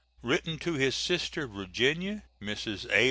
Written to his sister Virginia, Mrs. A.